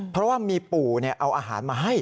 เพราะว่ามีปู่เอาอาหารมาให้